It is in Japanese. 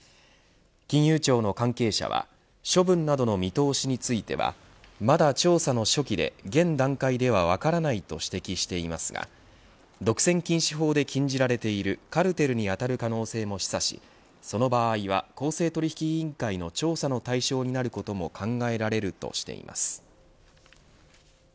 金融庁の関係者は処分などの見通しについてはまだ調査の初期で現段階では分からないと指摘していますが独占禁止法で禁じられているカルテルに当たる可能性も示唆しその場合は公正取引委員会の調査の対象になることも考えられるとしています。